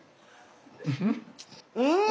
うん！